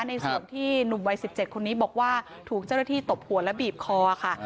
ในส่วนที่หนุ่มวัย๑๗คนนี้บอกว่าถูกเจ้าหน้าที่ตบหัวและบีบคอค่ะ